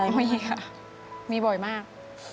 ไม่มีค่ะมีบ่อยมาก